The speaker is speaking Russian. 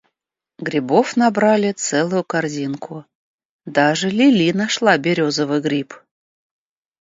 Грибов набрали целую корзинку, даже Лили нашла березовый гриб.